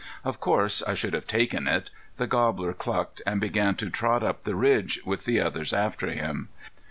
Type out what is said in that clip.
Of course I should have taken it. The gobbler clucked and began to trot up the ridge, with the others after him.